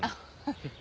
フフフ。